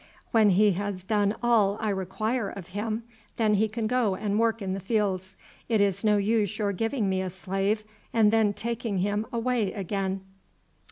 When he has done all I require of him, then he can go and work in the fields. It is no use your giving me a slave and then taking him away again."